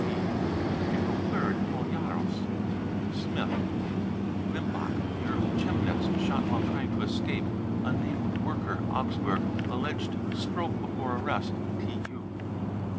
(WTB.) April 3rd. paul jaros, smith, Limbach, near Chemnitz, shot <£ while trying to escape." unnamed worker, Augsburg, alleged stroke before arrest. '(TU.)